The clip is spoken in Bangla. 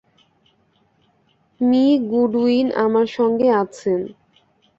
মি গুডউইন আমার সঙ্গে আছেন।